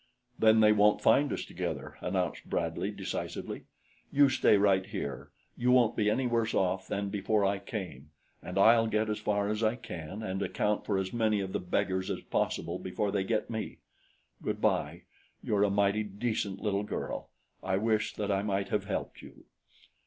"Then they won't find us together," announced Bradley decisively. "You stay right here you won't be any worse off than before I came and I'll get as far as I can and account for as many of the beggars as possible before they get me. Good bye! You're a mighty decent little girl. I wish that I might have helped you."